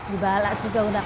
dibalas juga udah